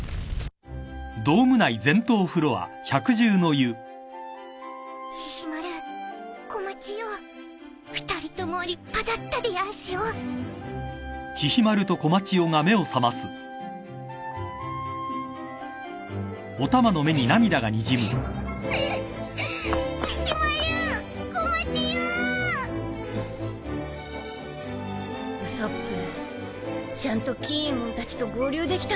ウソップちゃんと錦えもんたちと合流できたのかしら。